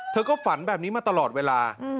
เธอก็ฝันแบบนี้มาตลอดเวลา